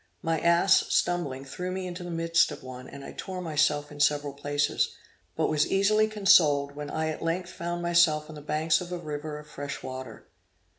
My ass stumbling threw me into the midst of one, and I tore myself in several places, but was easily consoled when I at length found myself on the banks of a river of fresh water.